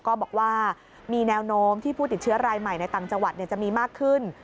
ก็บอกว่ามีแนวโน้มที่ผู้ติดเชื้อรายใหม่ในต่างจังหวัดจะมีมากขึ้น